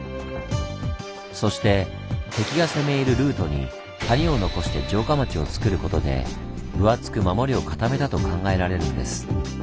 そして敵が攻め入るルートに谷を残して城下町をつくることで分厚く守りを固めたと考えられるんです。